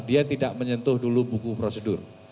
dia tidak menyentuh dulu buku prosedur